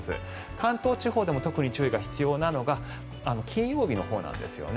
関東地方でも特に注意が必要なのが金曜日のほうなんですね。